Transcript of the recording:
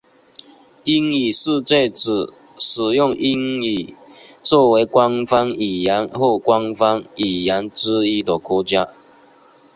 英语世界指使用英语作为官方语言或官方语言之一的国家。